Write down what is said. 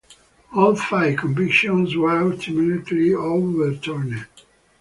All five convictions were ultimately overturned.